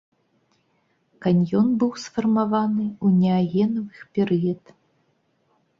Каньён быў сфармаваны ў неагенавых перыяд.